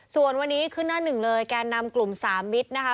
ส่วนวันนี้ขึ้นหน้าหนึ่งเลยแกนนำกลุ่มสามมิตรนะคะ